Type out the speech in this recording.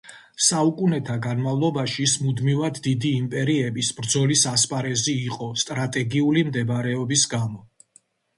საუკუნეთა განმავლობაში ის მუდმივად დიდი იმპერიების ბრძოლის ასპარეზი იყო სტრატეგიული მდებარეობის გამო